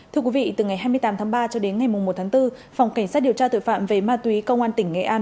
thưa quý vị từ ngày hai mươi tám tháng ba cho đến ngày một tháng bốn phòng cảnh sát điều tra tội phạm về ma túy công an tỉnh nghệ an